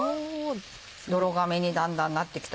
泥亀にだんだんなってきたでしょ？